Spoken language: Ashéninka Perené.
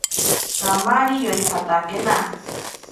Kamari yoijatakena.